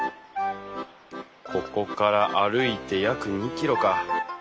ここから歩いて約２キロか。